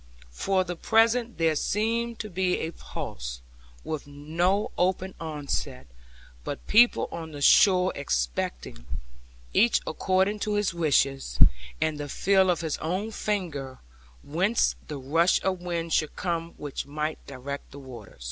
For the present there seemed to be a pause, with no open onset, but people on the shore expecting, each according to his wishes, and the feel of his own finger, whence the rush of wind should come which might direct the water.